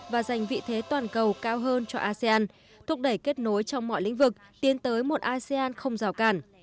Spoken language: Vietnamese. và giành vị thế toàn cầu cao hơn cho asean thúc đẩy kết nối trong mọi lĩnh vực tiến tới một asean không rào càn